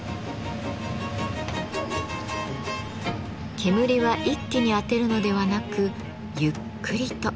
煙は一気に当てるのではなくゆっくりと。